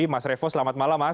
mas revo selamat malam mas